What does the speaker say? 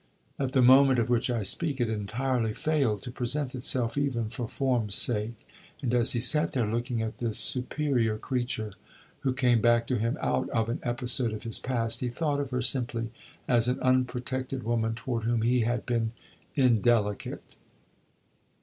At the moment of which I speak it entirely failed to present itself, even for form's sake; and as he sat looking at this superior creature who came back to him out of an episode of his past, he thought of her simply as an unprotected woman toward whom he had been indelicate.